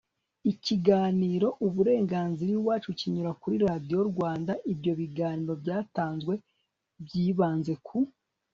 ikiganiro Uburenganzira Iwacu kinyura kuri Radiyo Rwanda Ibyo biganiro byatanzwe byibanze ku